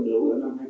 đối với cả hiện nay